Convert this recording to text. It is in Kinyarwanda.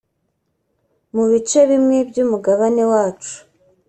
mu bice bimwe by’umugabane wacu